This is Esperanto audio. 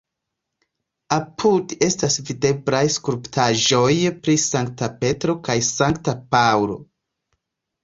Apude estas videblaj skulptaĵoj pri Sankta Petro kaj Sankta Paŭlo.